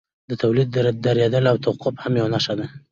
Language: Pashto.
د تولید درېدل او توقف هم یوه نښه ده